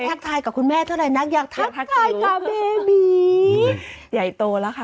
ทักทายกับคุณแม่เท่าไหร่นักอยากทักทายค่ะเบบีใหญ่โตแล้วค่ะ